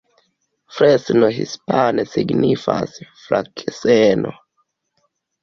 Fresno hispane signifas: frakseno.